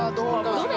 どれ？